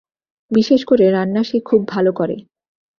বিশেষ করে রান্না সে খুব ভাল করে।